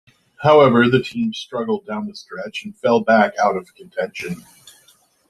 However, the team struggled down the stretch and fell back out of contention.